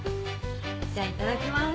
じゃあいただきます。